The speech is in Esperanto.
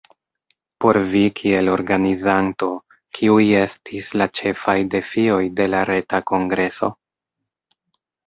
Por vi kiel organizanto, kiuj estis la ĉefaj defioj de la reta kongreso?